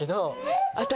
私。